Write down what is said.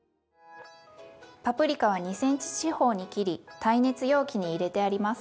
パプリカは２ｃｍ四方に切り耐熱容器に入れてあります。